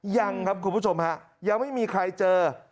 ยังครับคุณผู้ชมฮะยังไม่มีใครเจอ